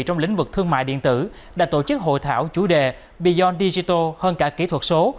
trong lĩnh vực thương mại điện tử đã tổ chức hội thảo chủ đề beon digital hơn cả kỹ thuật số